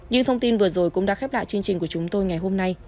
những thông tin vừa rồi cũng đã khép lại chương trình của chúng tôi ngày hôm nay